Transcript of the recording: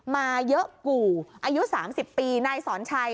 มาเยอะกู่อายุ๓๐ปีนายสอนชัย